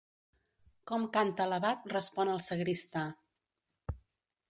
Com canta l'abat respon el sagristà.